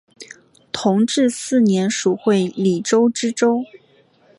同治四年署会理州知州。